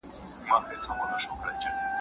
د ريکشې او زرنج خاونده!